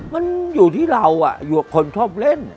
มันอยู่ที่เราอยู่กับคนชอบเล่น